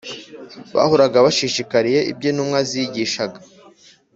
Bahoraga bashishikariye ibyo intumwa zigishaga